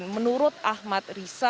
menurut ahmad risa